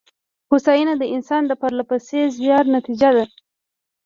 هوساینه د انسان د پرله پسې زیار نتېجه ده.